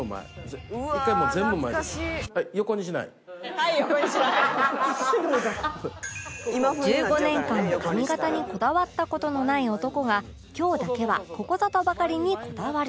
「“はい横にしない”」１５年間髪型にこだわった事のない男が今日だけはここぞとばかりにこだわる